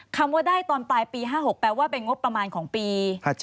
คำว่าได้ตอนปลายปี๕๖แปลว่าเป็นงบประมาณของปี๕๗